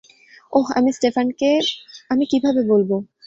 ওহ, আমি স্টেফানকে আমি কিভাবে বলবো?